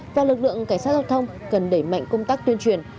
và lực lượng cảnh sát giao thông cần đẩy mạnh công tác tuyên truyền